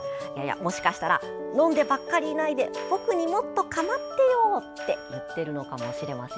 もしかしたら飲んでばかりいないで僕にもっと構ってよ！って言っているのかもしれません。